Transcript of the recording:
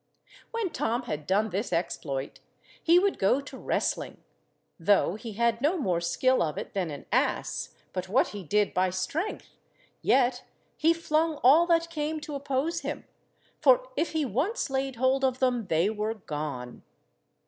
When Tom had done this exploit he would go to wrestling, though he had no more skill of it than an ass but what he did by strength, yet he flung all that came to oppose him, for if he once laid hold of them they were gone.